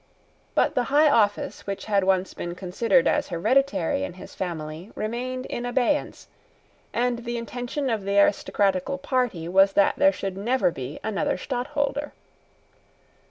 But the high office which had once been considered as hereditary in his family remained in abeyance; and the intention of the aristocratical party was that there should never be another Stadtholder.